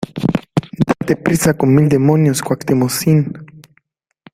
¡ date prisa, con mil demonios , Cuactemocín!